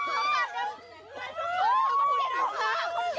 คุณผู้ชมแม่น้ำหนึ่งเนี่ยระบายออกมาแบบอันอันที่สุด